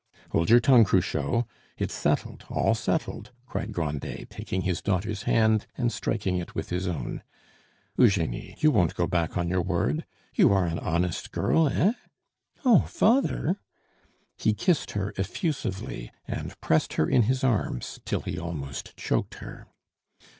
"Hold your tongue, Cruchot! It's settled, all settled," cried Grandet, taking his daughter's hand and striking it with his own. "Eugenie, you won't go back on your word? you are an honest girl, hein?" "Oh! father! " He kissed her effusively, and pressed her in his arms till he almost choked her.